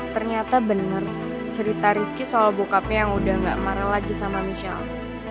ternyata bener cerita ricky soal bokapnya yang udah gak marah lagi sama michelle